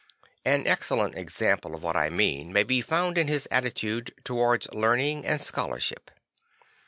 An excellent example of what I mean may b found in his attitude towards learning and scholarship.